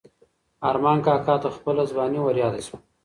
ارمان کاکا ته خپله ځواني وریاده شوه.